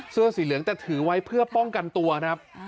เสื้อสีเหลืองแต่ถือไว้เพื่อป้องกันตัวครับ